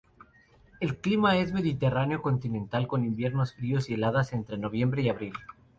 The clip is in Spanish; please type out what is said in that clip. El clima es mediterráneo continental, con inviernos fríos y heladas entre noviembre y abril.